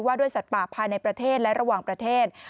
ด้วยสัตว์ป่าภายในประเทศและระหว่างประเทศ